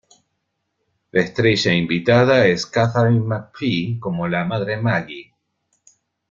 La estrella invitada es Katharine McPhee como la madre Maggie.